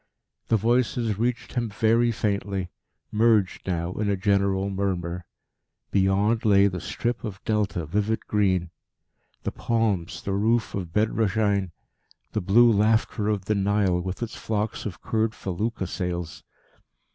The voices reached him very faintly, merged now in a general murmur. Beyond lay the strip of Delta vivid green, the palms, the roofs of Bedrashein, the blue laughter of the Nile with its flocks of curved felucca sails.